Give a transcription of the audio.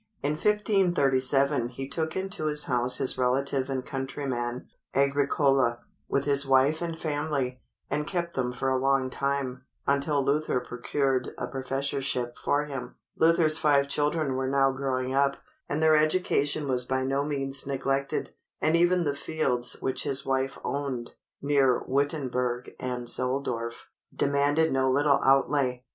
In 1537 he took into his house his relative and countryman, Agricola, with his wife and family, and kept them for a long time, until Luther procured a professorship for him. Luther's five children were now growing up, and their education was by no means neglected, and even the fields which his wife owned, near Wittenberg and Zoldorf, demanded no little outlay.